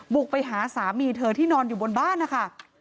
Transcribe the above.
บุกไปหาสามีเธอที่นอนอยู่บนบ้านนะคะ